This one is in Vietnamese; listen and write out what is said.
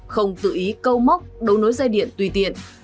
không tự ý câu móc đấu nối dây điện tùy tiện